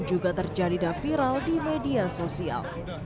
juga terjadi dan viral di media sosial